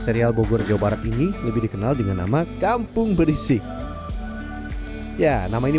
serial bogor jawa barat ini lebih dikenal dengan nama kampung berisik ya nama ini